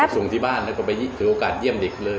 ส่งที่บ้านแล้วก็ไปถือโอกาสเยี่ยมเด็กเลย